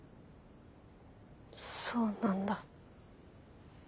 そうなんだ。